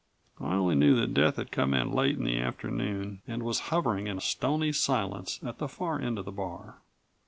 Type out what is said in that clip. I only knew that Death had come in late in the afternoon, and was hovering in stony silence at the far end of the bar.